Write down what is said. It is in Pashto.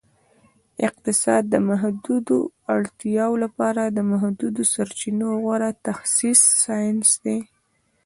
اقتصاد د محدودو اړتیاوو لپاره د محدودو سرچینو غوره تخصیص ساینس دی